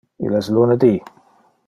Il es lunedi